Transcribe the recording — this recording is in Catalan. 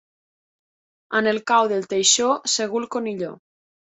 En el cau del teixó, segur el conilló.